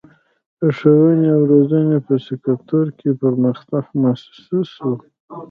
د ښوونې او روزنې په سکتور کې پرمختګ محسوس و.